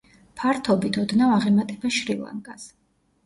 ფართობით ოდნავ აღემატება შრი-ლანკას.